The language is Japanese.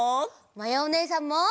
まやおねえさんも！